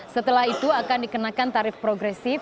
setelah itu akan dikenakan tarif progresif